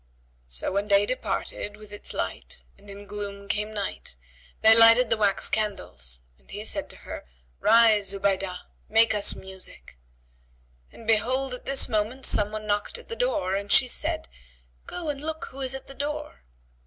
So when day departed with its light and in gloom came night, they lighted the wax candles and he said to her, "Rise, Zubaydah, make us music;" and behold, at this moment some one knocked at the door, and she said, "Go and look who is at the door."